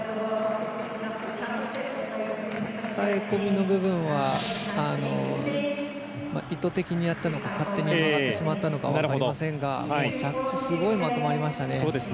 かかえ込みの部分は意図的にやったのか勝手に曲がってしまったのか分かりませんが着地がすごいまとまりましたね。